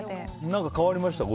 何か変わりました？